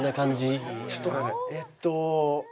ちょっとえっと。